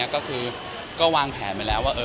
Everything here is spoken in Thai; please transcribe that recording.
ก็ก็วางแผนหมดแล้วว่าเออเออ